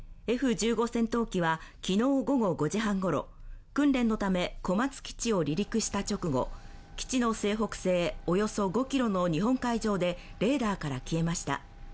Ｆ１５戦闘機は昨日午後５時半ごろ、訓練のため小松基地を離陸した直後、基地の西北西およそ５ｋｍの日本海上でレーダーから消えました。